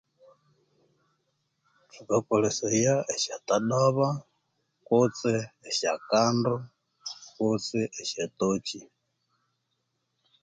Thukakolesaya esyattodoba kutse esyakando kutse esyottoki